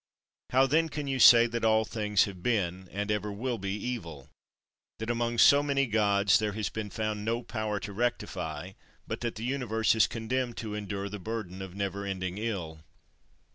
How then can you say that all things have been, and ever will be evil; that among so many Gods there has been found no power to rectify; but that the Universe is condemned to endure the burden of never ending ill?